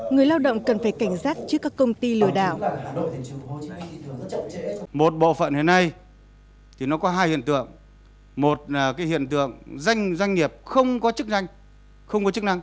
người lao động cần phải cảnh giác trước các công ty lừa đảo